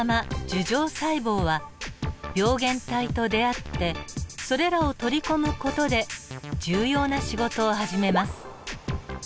樹状細胞は病原体と出会ってそれらを取り込む事で重要な仕事を始めます。